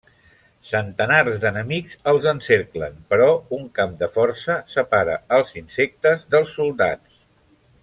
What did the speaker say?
Centenars d'enemics els encerclen, però un camp de força separa els insectes dels soldats.